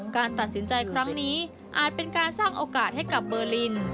การตัดสินใจครั้งนี้อาจเป็นการสร้างโอกาสให้กับเบอร์ลิน